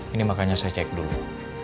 ini makanya saya cek dulu